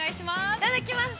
◆いただきます！